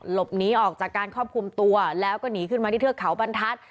หลบหนีออกจากการควบคุมตัวแล้วก็หนีขึ้นมาที่เทือกเขาบรรทัศน์